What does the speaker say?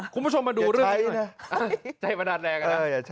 คุณผู้ชมมาดูเรื่องนี้ด้วยใจบันดาลแรง